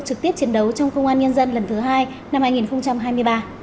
trực tiếp chiến đấu trong công an nhân dân lần thứ hai năm hai nghìn hai mươi ba